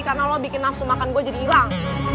karena lu bikin nafsu makan gua jadi ilang